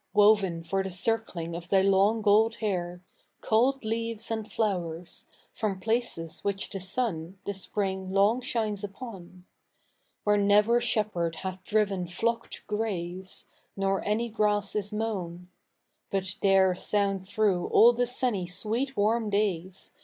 Woven for the circling of thy long gold hair. Culled leaves andjloxuers, from places 'which I he sun The spring long shines upon. Where ntver shepherd hath driven flock to gra .e, Nor any grass is mo'un ; But there soujid through all the sunny sweet warm days.